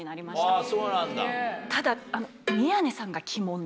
あっそうなんだ。